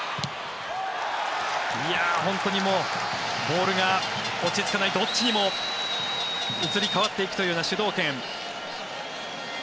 本当にボールが落ち着かないどっちにも移り変わっていくというような主導権。